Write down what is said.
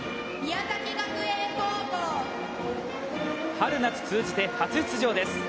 春夏通じて初出場です。